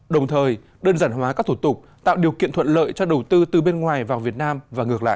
đồng thời đơn giản hóa các thủ tục tạo điều kiện thuận lợi cho đầu tư từ bên ngoài vào việt nam và ngược lại